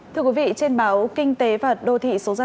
thưa quý vị trên báo kinh tế và đô thị số ra